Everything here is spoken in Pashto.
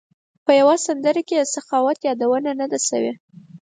په یوه سندره کې د سخاوت یادونه نه ده شوې.